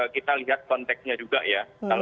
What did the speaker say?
kita lihat konteksnya juga ya